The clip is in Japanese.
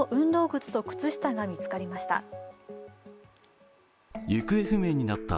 靴と靴下が見つかりました。